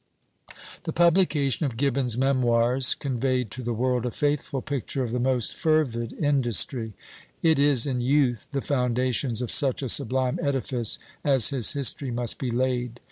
The publication of Gibbon's Memoirs conveyed to the world a faithful picture of the most fervid industry; it is in youth the foundations of such a sublime edifice as his history must be laid.